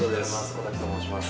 小瀧と申します。